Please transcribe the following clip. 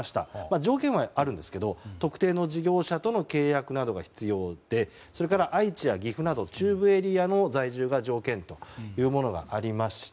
条件はあるんですが特定の事業者との契約などが必要でそれから、愛知や岐阜など中部エリアの在住が条件というものがありまして。